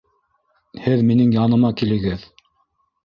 Һеҙ минең яныма килегеҙ.